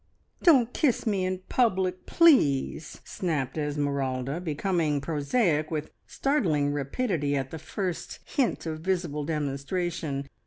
"Don't kiss me in public, please," snapped Esmeralda, becoming prosaic with startling rapidity at the first hint of visible demonstration.